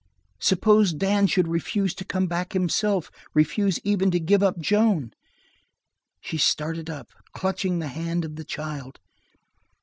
Suppose Dan should refuse to come back himself; refuse even to give up Joan! She started up, clutching the hand of the child.